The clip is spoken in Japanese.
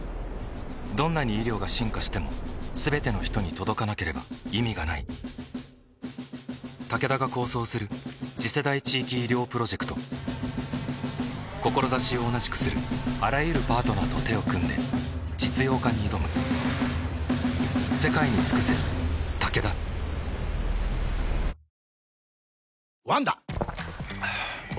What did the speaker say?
どんなに医療が進化しても全ての人に届かなければ意味がないタケダが構想する次世代地域医療プロジェクト志を同じくするあらゆるパートナーと手を組んで実用化に挑むえ？